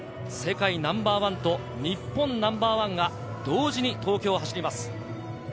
世界ナンバーワンと日本ナンバーワンが同時に東京を走ります。